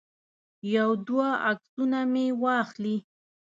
یو دوه عکسونه مې واخلي.